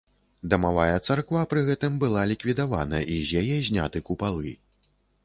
Дамавая царква пры гэтым была ліквідавана і з яе зняты купалы.